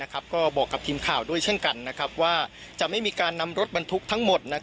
ก็บอกกับทีมข่าวด้วยเช่นกันว่าจะไม่มีการนำรถบรรทุกทั้งหมด